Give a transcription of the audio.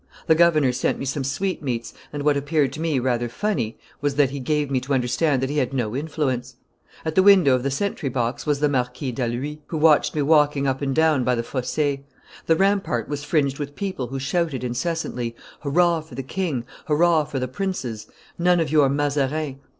The governor sent me some sweetmeats, and what appeared to me rather funny was that he gave me to understand that he had no influence. At the window of the sentry box was the Marquis d'Halluys, who watched me walking up and down by the fosse. The rampart was fringed with people who shouted incessantly, 'Hurrah for the king! hurrah for the princes! None of your Mazarin!